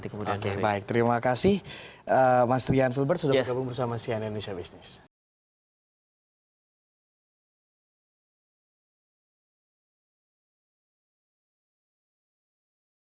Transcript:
oke baik terima kasih mas rian filbert sudah bergabung bersama sian indonesia business